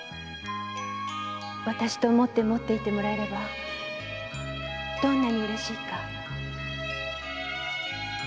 私と思って持っていてもらえればどんなにうれしいか。